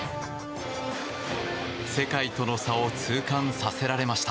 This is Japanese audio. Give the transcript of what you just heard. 世界との差を痛感させられました。